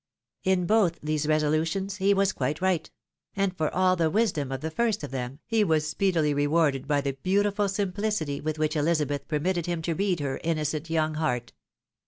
In both these resolutions he was quite right ; and for all the wisdom of the first of them he was speedily rewarded by the beautiful simplicity with which Ehzabeth permitted him to read her innocent young heart.